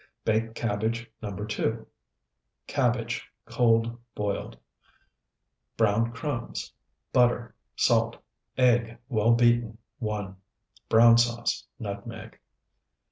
BAKED CABBAGE NO. 2 Cabbage, cold, boiled. Browned crumbs. Butter. Salt. Egg, well beaten, 1. Brown sauce. Nutmeg.